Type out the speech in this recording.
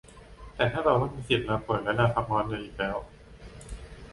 แต่ถ้าเราไม่มีทั้งสิทธิ์ลาป่วยและลาพักร้อนเหลืออีกแล้ว